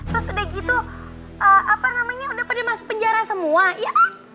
terus udah gitu apa namanya udah pada masuk penjara semua ya